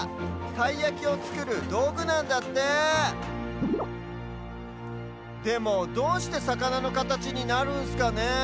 たいやきをつくるどうぐなんだってでもどうしてさかなのかたちになるんすかねえ。